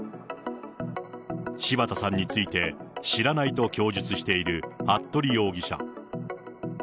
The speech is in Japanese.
柴田さんについて、知らないと供述している服部容疑者。